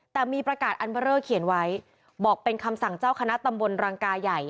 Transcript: แต่มีประกาศอันเบอร์เลอร์เขียนไว้บอกเป็นคำสั่งเจ้าคณะตำบลรังกายใหญ่